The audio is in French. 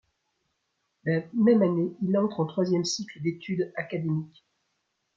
La même année, il entre en troisième cycle d'études académique.